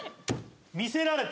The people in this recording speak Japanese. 『魅せられて』。